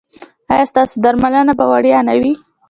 ایا ستاسو درملنه به وړیا نه وي؟